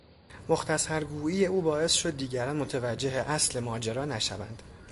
مختصر گوئی او باعث شد دیگران متوجه اصل ماجرا نشوند